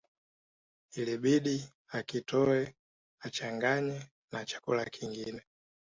Ilibidi akitoe achanganye na chakula kingine